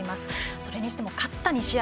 それにしても勝った試合